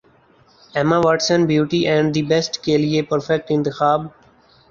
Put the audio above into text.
Emma Watson Beauty and the Beast کے لیے perfect انتخاب